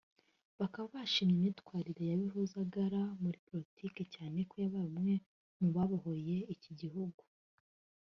bakaba bashimye imyitwarire ya bihozagara muri Politiki cyane ko yabaye umwe mu babohoye iki gihugu